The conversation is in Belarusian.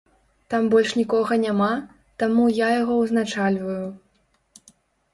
Там больш нікога няма, таму я яго ўзначальваю.